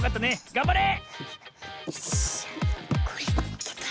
がんばれ！